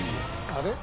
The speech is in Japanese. あれ？